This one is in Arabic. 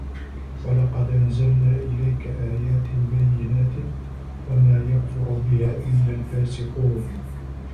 وَلَقَدْ أَنْزَلْنَا إِلَيْكَ آيَاتٍ بَيِّنَاتٍ ۖ وَمَا يَكْفُرُ بِهَا إِلَّا الْفَاسِقُونَ